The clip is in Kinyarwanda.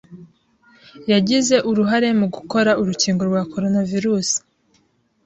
yagize uruhare mugukora urukingo rwa koronavirus